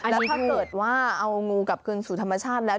แล้วถ้าเกิดว่าเอางูกลับคืนสู่ธรรมชาติแล้ว